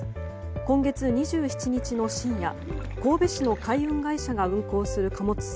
今月２７日の深夜神戸市の海運会社が運航する貨物船